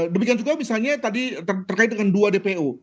demikian juga misalnya tadi terkait dengan dua dpo